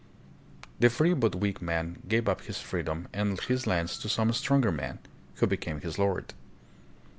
The free but weak man gave up his freedom and his lands to some stronger man, who became his lord.